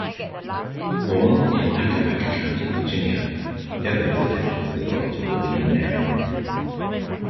Born in Accomack County, Virginia, Evans attended the College of William and Mary.